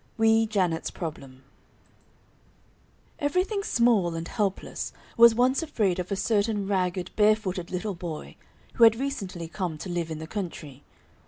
_"] WEE JANET'S PROBLEM Everything small and helpless was once afraid of a certain ragged, barefooted little boy who had recently come to live in the country.